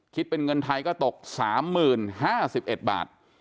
คิดเป็นเงินไทยก็ตก๓๐๕๑บาท